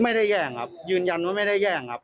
แย่งครับยืนยันว่าไม่ได้แย่งครับ